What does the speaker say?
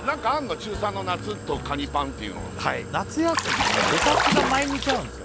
中３の夏とかにぱんっていうのは夏休みに部活が毎日あるんですよ